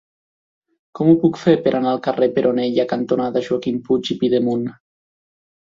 Com ho puc fer per anar al carrer Peronella cantonada Joaquim Puig i Pidemunt?